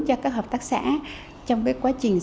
cho các hợp tác xã trong cái quá trình